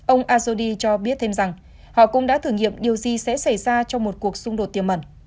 ông asodi cho biết thêm rằng họ cũng đã thử nghiệm điều gì sẽ xảy ra trong một cuộc xung đột tiềm mẩn